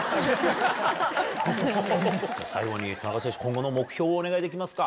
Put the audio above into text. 最後に田中選手今後の目標をお願いできますか？